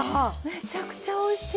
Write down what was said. めちゃくちゃおいしい！